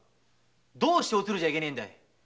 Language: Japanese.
どうしておつるじゃいけねえんだ？